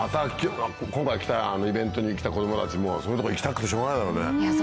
今回イベントに来た子供たちもそういう所行きたくてしょうがないだろうね。